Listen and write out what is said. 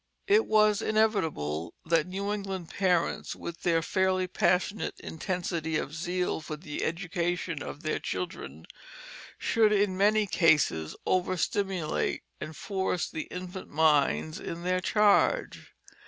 It was inevitable that New England parents, with their fairly passionate intensity of zeal for the education of their children, should in many cases overstimulate and force the infant minds in their charge.